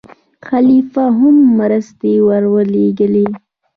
خلیفه هم مرستې ورولېږلې.